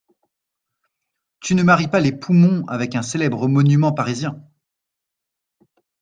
Tu ne maries pas les poumons avec un célèbre monument parisien!